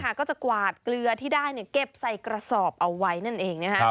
ก็จะกวาดเกลือที่ได้เก็บใส่กระสอบเอาไว้นั่นเอง